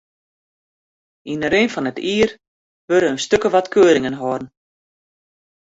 Yn de rin fan it jier wurde in stik of wat keuringen holden.